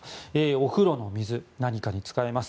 お風呂の水、何かに使えます。